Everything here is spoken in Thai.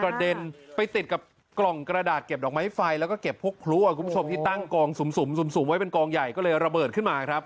เด็นไปติดกับกล่องกระดาษเก็บดอกไม้ไฟแล้วก็เก็บพวกพลุคุณผู้ชมที่ตั้งกองสุ่มไว้เป็นกองใหญ่ก็เลยระเบิดขึ้นมาครับ